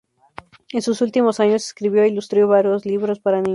En sus últimos años escribió e ilustró varios libros para niños.